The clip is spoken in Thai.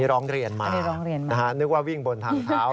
เรียกว่าวิ่งบนทางเท้า